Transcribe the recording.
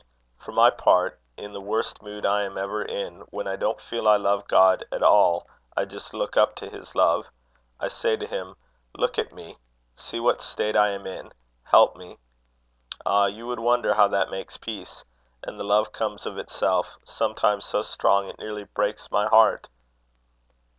For my part, in the worst mood I am ever in, when I don't feel I love God at all, I just look up to his love. I say to him: 'Look at me. See what state I am in. Help me!" Ah! you would wonder how that makes peace. And the love comes of itself; sometimes so strong, it nearly breaks my heart."